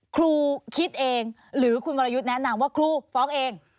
ครูคิดเองหรือคุณวรยุทธ์แนะนำว่าครูฟ้องเอง